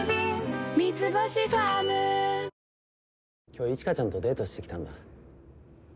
今日一華ちゃんとデートしてきたんだ。